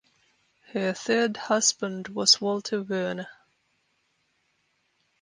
Her third husband was Walter Werner.